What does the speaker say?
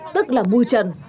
tức là mui trần